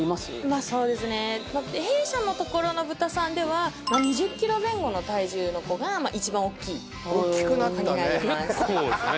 まあそうですね弊社のところのブタさんではまあ２０ｋｇ前後の体重の子が一番大きい子になります大きくなったね